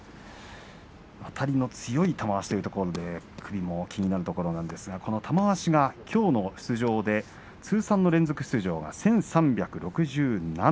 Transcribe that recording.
あたりの強い玉鷲というところで首も気になるところなんですが玉鷲が、きょうの出場で通算連続出場が１３６７。